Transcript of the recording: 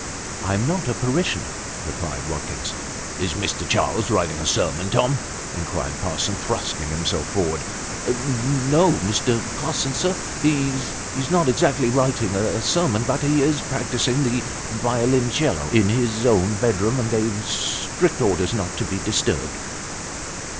" I am not a parishioner," replied Watkins. " Is Mr. Charles writing a sermon, Tom ?" inquired Parsons, thrusting himself forward. " No, Mr. Parsons, sir ; he's not exactly writing a sermon, but he is practising the violoncello in his own bedroom, and gave strict orders not to be disturbed."